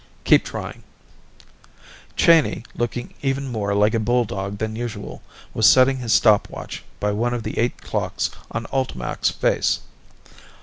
"Keep trying." Cheyney, looking even more like a bulldog than usual, was setting his stopwatch by one of the eight clocks on ULTIMAC's face.